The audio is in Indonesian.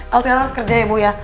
el sekarang harus kerja ya bu ya